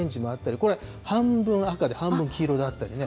これ、半分赤で、半分黄色であったりね。